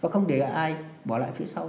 và không để ai bỏ lại phía sau